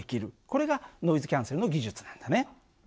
これがノイズキャンセルの技術なんだね。